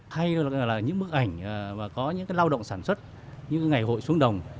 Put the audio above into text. hay là những bức ảnh mà có những cái lao động sản xuất những cái ngày hội xuống đồng